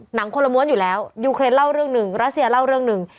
หนังคนละม้วนอยู่แล้วยูเครนเล่าเรื่องหนึ่งรัสเซียเล่าเรื่องหนึ่ง